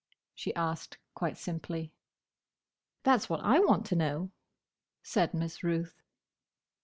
she asked, quite simply. "That's what I want to know," said Miss Ruth.